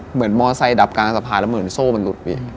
เหมือนมอเซย์ดับกลางสะพานแล้วเหมือนโซ่มันหลุด